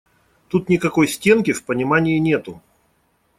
Тут никакой стенки в понимании нету.